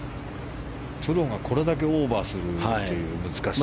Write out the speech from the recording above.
プロがこれだけオーバーするという難しさ。